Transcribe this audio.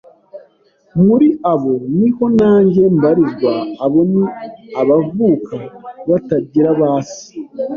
muri abo niho nanjye mbarizwa, abo ni abavuka batagira ba se